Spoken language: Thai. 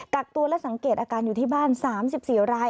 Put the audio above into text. กักตัวและสังเกตอาการอยู่ที่บ้าน๓๔ราย